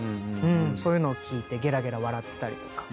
そういうのを聞いてゲラゲラ笑ってたりとか。